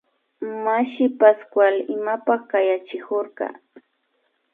Mashi Pascual imapak kayachikurka